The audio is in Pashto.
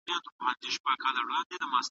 ستونزې حل کول د ماشومانو دنده ده.